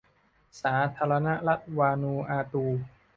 สาธารณรัฐวานูอาตู